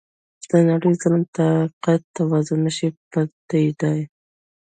د نړی ظالم طاقت توازن نشي پټیدای.